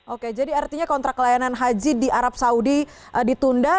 oke jadi artinya kontrak layanan haji di arab saudi ditunda